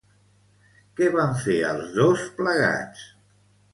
Què van fer els dos plegats?